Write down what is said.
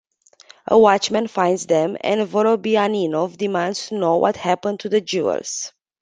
A watchman finds them, and Vorobyaninov demands to know what happened to the jewels.